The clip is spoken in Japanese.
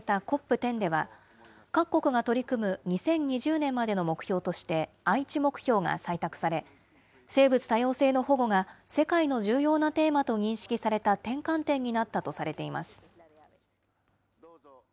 １０では、各国が取り組む２０２０年までの目標として愛知目標が採択され、生物多様性の保護が世界の重要なテーマと認識された転換点になったとされています。